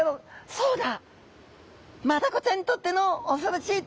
「そうだ！